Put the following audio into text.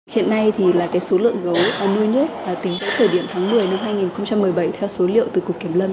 hiện nay thì là số lượng gấu nuôi nước tính tới thời điểm tháng một mươi năm hai nghìn một mươi bảy theo số liệu từ cục kiểm lâm